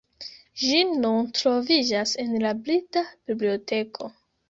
Ĝi nun troviĝas en la Brita Biblioteko.